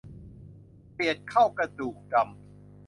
เกลียดเข้ากระดูกดำ